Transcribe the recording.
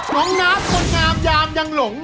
น้องนับสดงามยามยังหลง